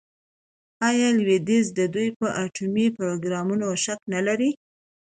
آیا لویدیځ د دوی په اټومي پروګرام شک نلري؟